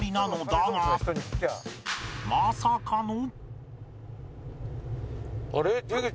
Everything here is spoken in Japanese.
まさかの